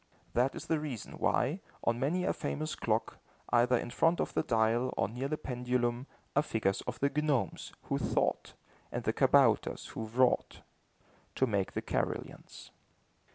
That is the reason why, on many a famous clock, either in front of the dial or near the pendulum, are figures of the gnomes, who thought, and the kabouters who wrought, to make the carillons.